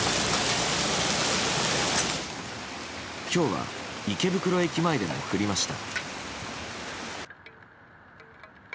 ひょうは池袋駅までも降りました。